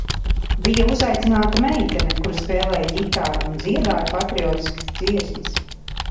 Bija uzaicināta meitene, kura spēlēja ģitāru un dziedāja patriotiskas dziesmas.